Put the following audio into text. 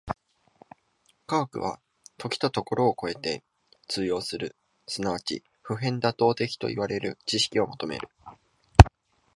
科学は時と処を超えて通用する即ち普遍妥当的といわれる知識を求める。